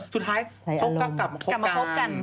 สุดท้ายเขาก็กลับมาคบกัน